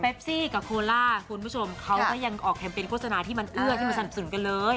ซี่กับโคล่าคุณผู้ชมเขาก็ยังออกแคมเปญโฆษณาที่มันเอื้อที่มันสนับสนุนกันเลย